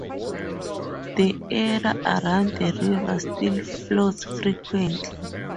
The area around the river still floods frequently.